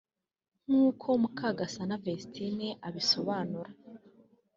nk’uko Mukagasana Vestine abisobanura